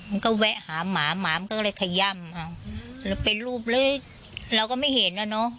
มันก็แวะหาหมาหมามันก็เลยขย่ำเป็นรูปเล็กเราก็ไม่เห็นอ่ะเนอะ